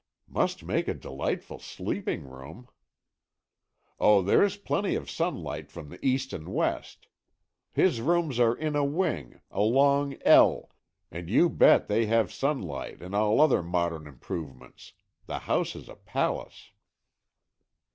"Must make a delightful sleeping room!" "Oh, there's plenty of sunlight from the east and west. His rooms are in a wing, a long L, and you bet they have sunlight and all other modern improvements. The house is a palace."